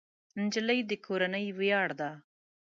نجلۍ د کورنۍ ویاړ ده.